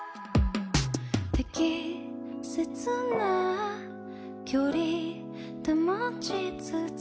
「適切な距離保ちつつ」